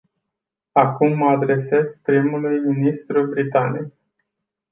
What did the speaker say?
Acum mă adresez primului ministru britanic.